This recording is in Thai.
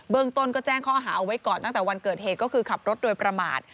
ต้นก็แจ้งข้อหาเอาไว้ก่อนตั้งแต่วันเกิดเหตุก็คือขับรถโดยประมาท